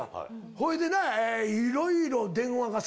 ほいでね。